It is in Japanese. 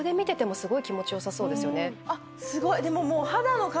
すごい。